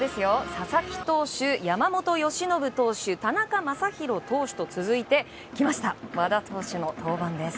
佐々木投手、山本由伸投手田中将大投手と続いて来ました、和田投手の登板です。